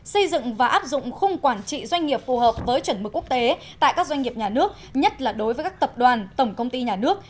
xây dựng và áp dụng khung quản trị doanh nghiệp phù hợp với chuẩn mực quốc tế tại các doanh nghiệp nhà nước nhất là đối với các tập đoàn tổng công ty nhà nước